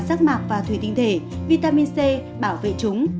rác mạc và thủy tinh thể vitamin c bảo vệ chúng